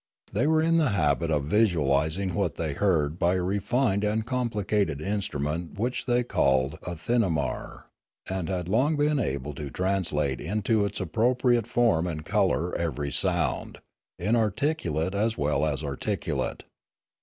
They were in the habit of visualising what they heard by a refined and complicated instrument which they called a thinamar, and had long been able to translate into its appropriate form and colour every sound, inarticulate as well as articulate.